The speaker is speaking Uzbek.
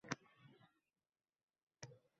Bu eng xatarsiz yoʻl edi.